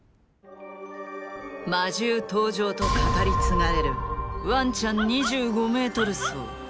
魔獣登場と語り継がれるワンちゃん２５Ｍ走。